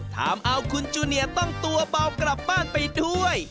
ทำเอาคุณจูเนียต้องตัวเบากลับบ้านไปด้วย